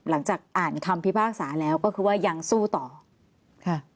หลังจากอ่านคำพิพากษาแล้วก็คือว่ายังสู้ต่อค่ะ